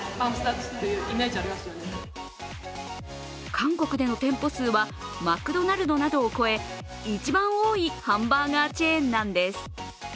韓国での店舗数はマクドナルドなどを超え一番多いハンバーガーチェーンなんです。